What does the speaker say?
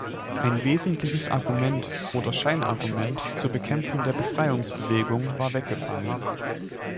Ein wesentliches Argument oder Scheinargument zur Bekämpfung der Befreiungsbewegung war weggefallen.